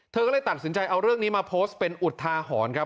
เธอก็เลยตัดสินใจเอาเรื่องนี้มาโพสต์เป็นอุทาหรณ์ครับ